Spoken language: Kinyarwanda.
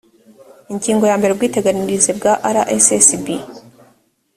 ingingo ya mbere ubwiteganyirize bwa rssb